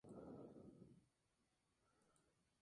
Dichos colores son los que identifican al club.